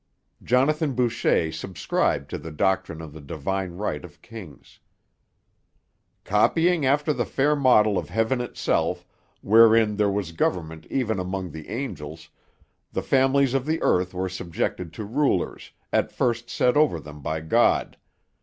Jonathan Boucher subscribed to the doctrine of the divine right of kings: Copying after the fair model of heaven itself, wherein there was government even among the angels, the families of the earth were subjected to rulers, at first set over them by God.